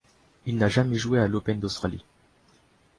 Il n'a jamais joué à l'open d'Australie.